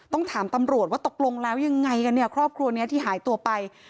ต้องถามตำรวจว่าตกลงแล้วยังไงกันเนี่ยครอบครัวนี้ที่หายตัวไป